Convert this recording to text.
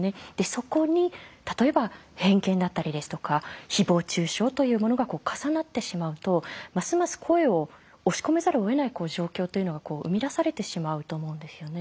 そこに例えば偏見だったりですとか誹謗中傷というものが重なってしまうとますます声を押し込めざるをえない状況というのが生み出されてしまうと思うんですよね。